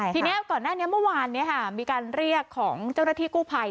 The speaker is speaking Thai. ทีนี้ก่อนหน้านี้เมื่อวานนี้มีการเรียกของเจ้าหน้าที่กู้ภัย